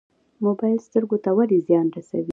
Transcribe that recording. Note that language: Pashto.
موبایل سترګو ته ولې زیان رسوي؟